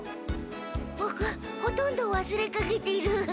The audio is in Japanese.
ボクほとんどわすれかけている。